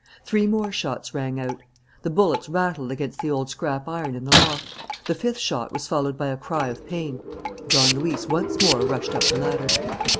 Three more shots rang out. The bullets rattled against the old scrap iron in the loft. The fifth shot was followed by a cry of pain. Don Luis once more rushed up the ladder.